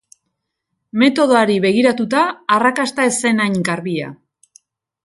Metodoari begiratuta, arrakasta ez zen hain garbia.